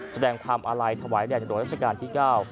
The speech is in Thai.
แสดงความอาลัยถวายแด่งโรยรัชการที่๙